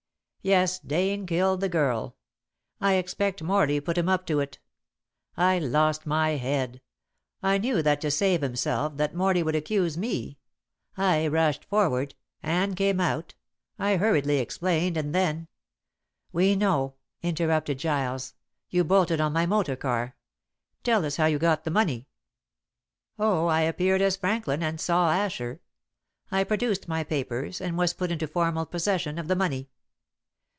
"Yes, Dane killed the girl. I expect Morley put him up to it. I lost my head. I knew that to save himself that Morley would accuse me. I rushed forward. Anne came out. I hurriedly explained, and then " "We know," interrupted Giles, "you bolted on my motor car. Tell us how you got the money." "Oh, I appeared as Franklin, and saw Asher. I produced my papers, and was put into formal possession of the money.